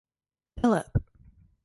Philipp.